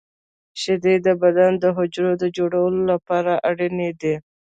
• شیدې د بدن د حجرو د جوړولو لپاره اړینې دي.